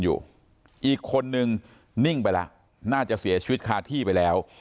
อยู่อีกคนนึงนิ่งไปแล้วน่าจะเสียชีวิตคาที่ไปแล้ว